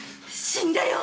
死んでよ！